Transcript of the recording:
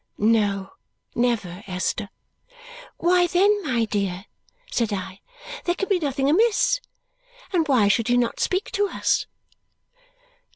"No, never, Esther." "Why then, my dear," said I, "there can be nothing amiss and why should you not speak to us?"